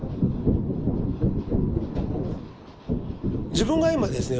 自分が今ですね